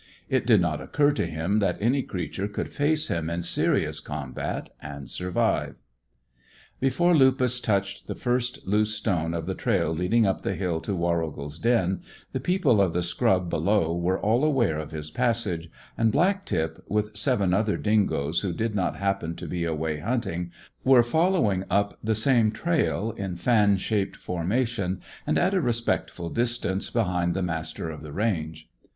It did not occur to him that any creature could face him in serious combat and survive. Before Lupus touched the first loose stone of the trail leading up the hill to Warrigal's den, the people of the scrub below were all aware of his passage, and Black tip, with seven other dingoes who did not happen to be away hunting, were following up the same trail, in fan shaped formation, and at a respectful distance behind the master of the range.